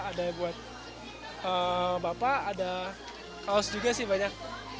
ada buat bapak ada kaos juga sih banyak